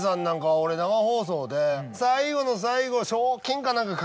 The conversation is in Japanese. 最後の最後。